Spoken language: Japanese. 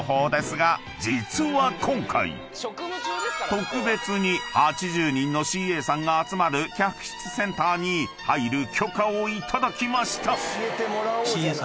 ［実は今回］［特別に８０人のＣＡさんが集まる客室センターに入る許可を頂きました］